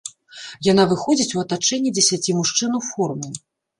Яна выходзіць у атачэнні дзесяці мужчын у форме.